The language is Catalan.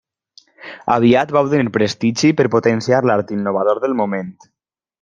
Aviat va obtenir prestigi per potenciar l'art innovador del moment.